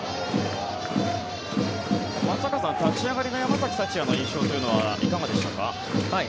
松坂さん立ち上がりの山崎福也の様子というのはいかがでしたか。